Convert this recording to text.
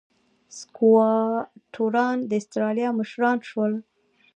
سکواټوران د اسټرالیا مشران شول.